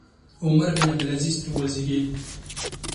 عمر بن عبدالعزیز ترې وزېږېد.